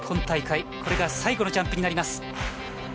大会、これが最後のジャンプになります。